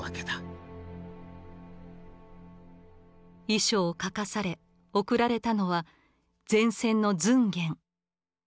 遺書を書かされ送られたのは前線のズンゲン。